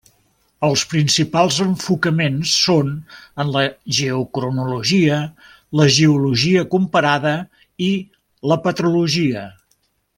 Els principals enfocaments són en la geocronologia, la geologia comparada i la petrologia.